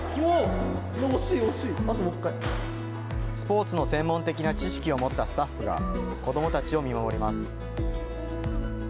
スポーツの専門的な知識を持ったスタッフが子どもたちを見守ります。